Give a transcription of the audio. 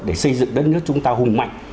để xây dựng đất nước chúng ta hùng mạnh